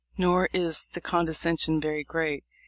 Xor is the condescension very great.